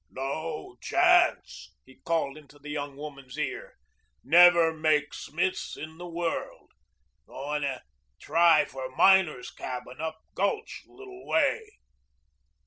"No chance," he called into the young woman's ear. "Never make Smith's in the world. Goin' try for miner's cabin up gulch little way."